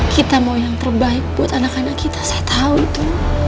kita mau yang terbaik buat anak anak kita saya tahu tuh